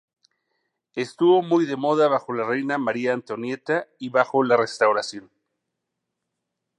Estuvo muy de moda bajo la reina María Antonieta y bajo la Restauración.